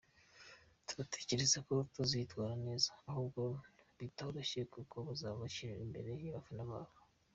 Turatekereza ko tuzitwara neza nubwo bitoroshye kuko bazaba bakinira imbere y’abafana babo.